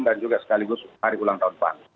dan juga sekaligus hari ulang tahun pan